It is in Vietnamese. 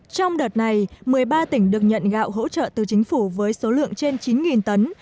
trong đợt này một mươi ba tỉnh được nhận gạo hỗ trợ từ chính phủ với số lượng trên chín tấn